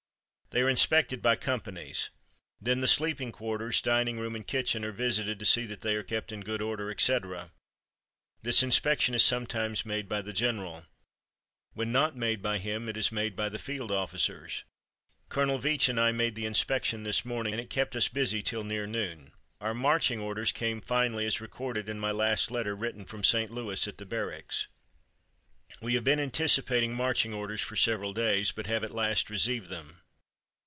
They are inspected by companies. Then the sleeping quarters, dining room, and kitchen are visited to see that they are kept in good order, etc. This inspection is sometimes made by the general. When not made by him, it is made by the field officers. Colonel Veatch and I made the inspection this morning, and it kept us busy till near noon." Our marching orders came finally as recorded in my last letter written from St. Louis at the Barracks: "We have been anticipating marching orders for several days, but have at last received them.